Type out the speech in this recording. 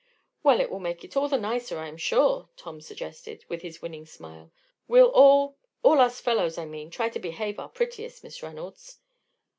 "Well, it will make it all the nicer, I am sure," Tom suggested, with his winning smile. "We'll all all us fellows, I mean try to behave our prettiest, Miss Reynolds."